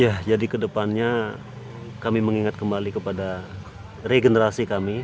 ya jadi kedepannya kami mengingat kembali kepada regenerasi kami